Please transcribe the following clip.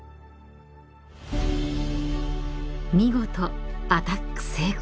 ［見事アタック成功］